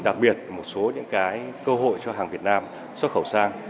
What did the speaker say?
đặc biệt một số những cái cơ hội cho hàng việt nam xuất khẩu sang